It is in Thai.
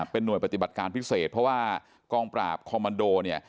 เป็นห่วยปฏิบัติการพิเศษเพราะว่ากองปราบคอมมันโดเนี่ย